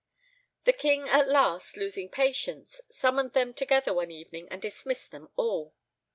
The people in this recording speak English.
The king at last, losing patience, summoned them together one evening and dismissed them all.